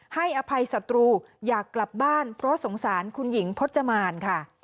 อภัยศัตรูอยากกลับบ้านเพราะสงสารคุณหญิงพจมานค่ะ